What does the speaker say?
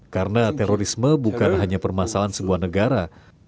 karena terorisme bukan hanya permasalahan sebuah negara